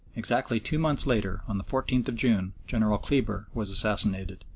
Exactly two months later, on the 14th of June, General Kleber was assassinated.